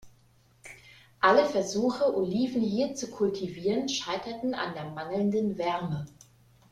Alle Versuche, Oliven hier zu kultivieren, scheiterten an der mangelnden Wärme.